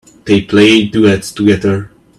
They play duets together.